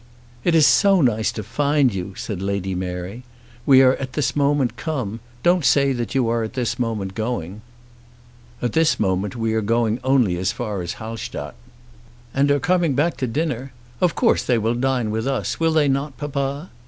"It is so nice to find you," said Lady Mary. "We are this moment come. Don't say that you are this moment going." "At this moment we are only going as far as Halstadt." "And are coming back to dinner? Of course they will dine with us. Will they not, papa?"